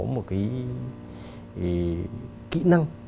một kỹ năng